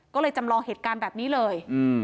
ก็เลยจำลองเหตุการณ์แบบนี้เลย